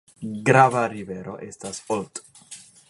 Grava rivero estas Olt.